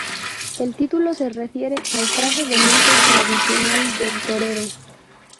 El título se refiere al traje de luces tradicional del torero.